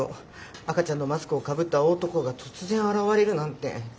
赤ちゃんのマスクをかぶった大男が突然現れるなんて。